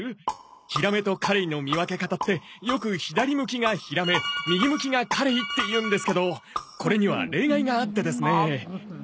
ヒラメとカレイの見分け方ってよく左向きがヒラメ右向きがカレイっていうんですけどこれには例外があってですね。